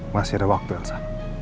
masih ada waktu elsa